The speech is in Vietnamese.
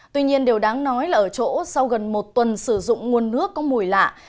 tuy nhiên điều đáng nói là ở chỗ sau gần một tuần sử dụng nguồn nước có mùi lạ